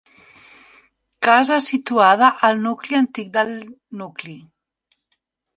Casa situada al nucli antic del nucli.